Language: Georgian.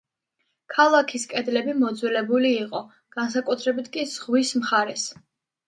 ქალაქის კედლები მოძველებული იყო, განსაკუთრებით კი ზღვის მხარეს.